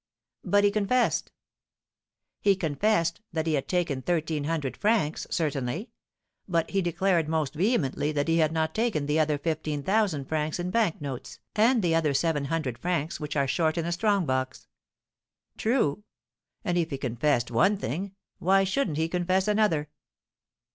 "But he confessed?" "He confessed that he had taken thirteen hundred francs, certainly; but he declared most vehemently that he had not taken the other fifteen thousand francs in bank notes, and the other seven hundred francs which are short in the strong box." "True; and, if he confessed one thing, why shouldn't he confess another?"